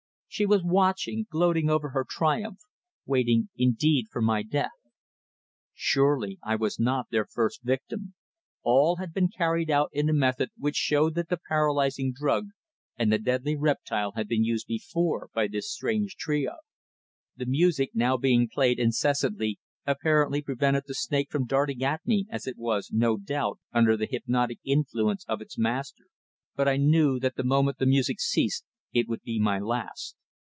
She was watching, gloating over her triumph; waiting, indeed, for my death. Surely I was not their first victim! All had been carried out in a method which showed that the paralysing drug and the deadly reptile had been used before by this strange trio. The music, now being played incessantly, apparently prevented the snake from darting at me, as it was, no doubt, under the hypnotic influence of its master. But I knew that the moment the music ceased it would be my last.